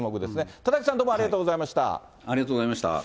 田崎さん、どうもありがとうござありがとうございました。